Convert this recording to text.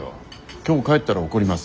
今日帰ったら怒ります。